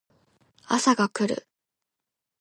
朝が来る